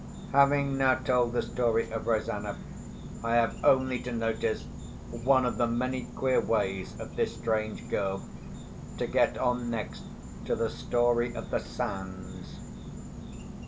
Having now told the story of Rosanna, I have only to notice one of the many queer ways of this strange girl to get on next to the story of the sands.